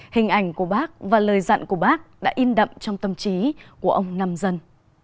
hình ảnh của bác và lời dặn của bác đã in đậm trong tâm trí của ông nam dân